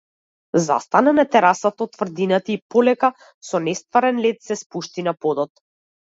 Застана на терасата од тврдината и полека, со нестварен лет се спушти на подот.